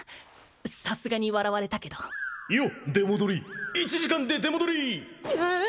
さすがに笑われたけどよっ出戻り１時間で出戻り